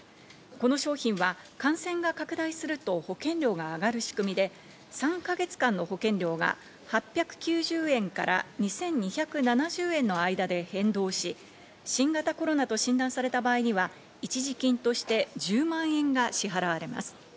この商品は感染拡大すると保険料が上がる仕組みで、３か月間の保険料が８９０円から２２７０円の間で変動し、新型コロナと診断された場合には一時金として１０万円が支払われます。